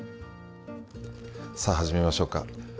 さあ、始めましょうか。